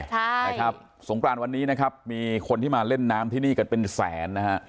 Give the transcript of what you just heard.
ใช่นะครับสงกรานวันนี้นะครับมีคนที่มาเล่นน้ำที่นี่กันเป็นแสนนะฮะ